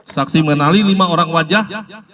saksi mengenali lima orang wajah ya